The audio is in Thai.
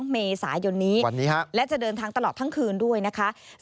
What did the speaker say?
เมษายนนี้และจะเดินทางตลอดทั้งคืนด้วยนะคะ